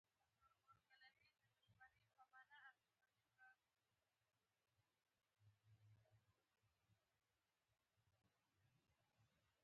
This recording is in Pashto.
بزګر له هرې تخم سره امید لري